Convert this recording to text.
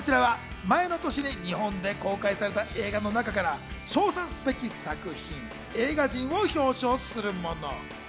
こちらは前の年に日本で公開された映画の中から賞賛すべき作品、映画人を表彰するもの。